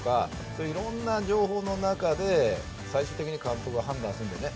そういう、いろんな情報の中で最終的に監督が判断するのでね。